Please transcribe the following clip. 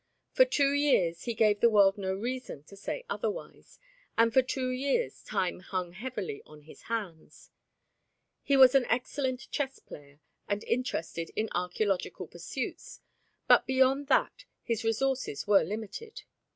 For two years he gave the world no reason to say otherwise, and for two years time hung heavy on his hands. He was an excellent chess player, and interested in archæological pursuits, but beyond that his resources were limited.